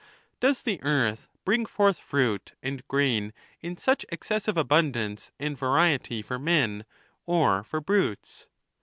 Does the earth bring forth fruit and grain in such excessive abundance and variety for men or for brutes